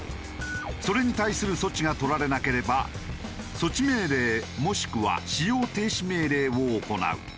それに対する措置がとられなければ措置命令もしくは使用停止命令を行う。